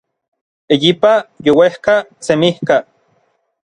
eyipa, youejka, semijka